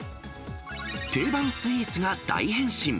定番スイーツが大変身。